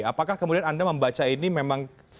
apakah kemudian anda membaca ini memang